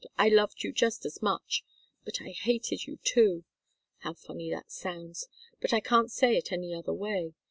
I loved you just as much, but I hated you, too. How funny that sounds! But I can't say it any other way.